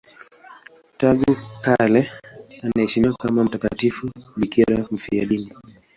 Tangu kale anaheshimiwa kama mtakatifu bikira mfiadini.